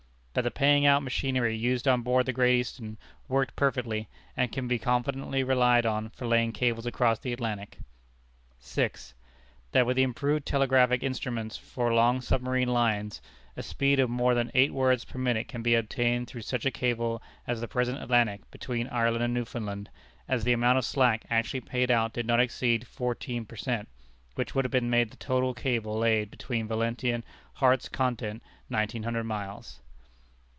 That the paying out machinery used on board the Great Eastern worked perfectly, and can be confidently relied on for laying cables across the Atlantic. 6. That with the improved telegraphic instruments for long submarine lines, a speed of more than eight words per minute can be obtained through such a cable as the present Atlantic between Ireland and Newfoundland, as the amount of slack actually paid out did not exceed fourteen per cent, which would have made the total cable laid between Valentia and Heart's Content nineteen hundred miles.